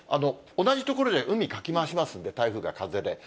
同じ所で海、かき回しますんで、台風が、風で。